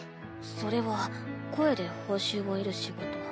それは声で報酬を得る仕事。